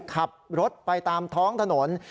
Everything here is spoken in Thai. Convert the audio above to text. ขับรถไปตามท้องถนน